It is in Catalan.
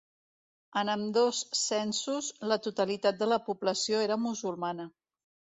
En ambdós censos, la totalitat de la població era musulmana.